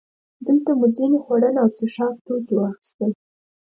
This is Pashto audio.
دلته مو ځینې خوړن او څښاک توکي واخیستل.